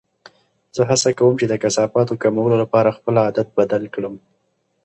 زه هڅه کوم چې د کثافاتو کمولو لپاره خپل عادت بدل کړم.